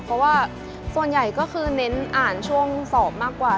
เพราะว่าส่วนใหญ่ก็คือเน้นอ่านช่วงสอบมากกว่า